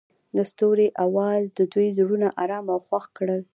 د ستوري اواز د دوی زړونه ارامه او خوښ کړل.